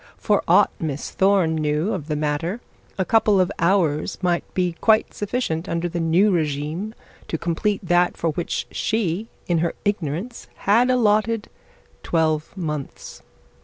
For aught Miss Thorne knew of the matter, a couple of hours might be quite sufficient under the new regime to complete that for which she in her ignorance had allotted twelve months.